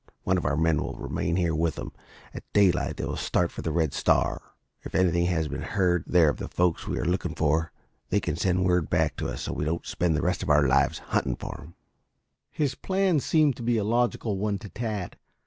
One of our men will remain here with him. At daylight they will start for the Red Star. If anything has been heard there of the folks we are looking for, they can then send word back to us so we don't spend the rest of our lives hunting for them." His plan seemed a logical one to Tad.